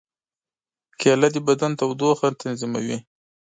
کېله د بدن تودوخه تنظیموي.